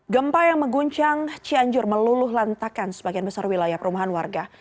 gempa yang mengguncang cianjur meluluh lantakan sebagian besar wilayah perumahan warga